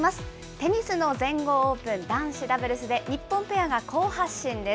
テニスの全豪オープン、男子ダブルスで日本ペアが好発進です。